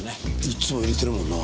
いっつも入れてるもんな。